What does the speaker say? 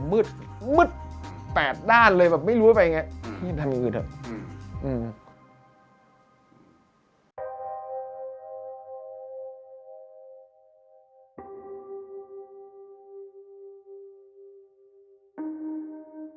มืดมืดแปดด้านเลยแบบไม่รู้ว่าจะไปยังไงที่จะทำอย่างอื่นเหรอ